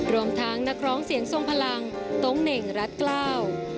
รวมทั้งนักร้องเสียงทรงพลังโต๊งเหน่งรัฐเกล้า